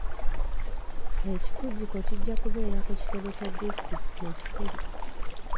Ekikujjuko kijja kubeera ku kitebe kya disitulikiti ekikulu.